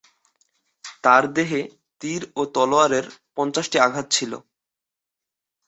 তার দেহে তীর ও তলোয়ারের পঞ্চাশটি আঘাত ছিলো।